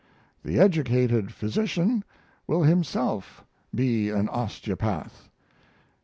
The educated physician will himself be an osteopath.